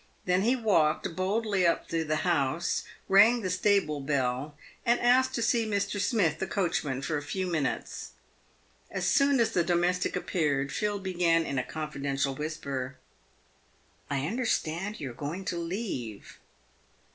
Then he walked boldly up to the house, rang the stable bell, and asked to see Mr. Smith, the coach man, for a few minutes. As soon as the domestic appeared, Phil began, in a confidential whisper, "I understand you're going to leave."